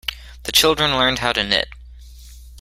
The children learned how to knit.